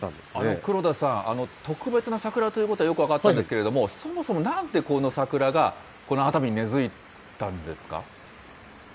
黒田さん、特別な桜ということはよく分かったんですけれども、そもそも、なんでこの桜がこの熱海に根づいたんですか。